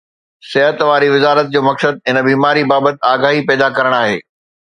صحت واري وزارت جو مقصد هن بيماري بابت آگاهي پيدا ڪرڻ آهي